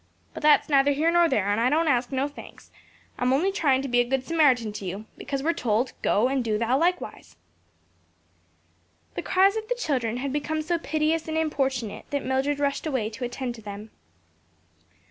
"But that's neither here nor there; and I don't ask no thanks. I'm only tryin' to be a good Samaritan to you, because we're told, 'Go, and do thou likewise.'" The cries of the children had become so piteous and importunate that Mildred rushed away to attend to them.